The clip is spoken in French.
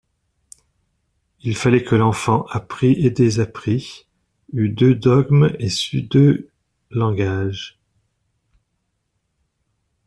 Il fallait que l'enfant apprît et désapprît, eût deux dogmes et sût deux langages.